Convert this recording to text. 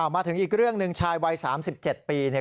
มาถึงอีกเรื่องหนึ่งชายวัย๓๗ปีเนี่ย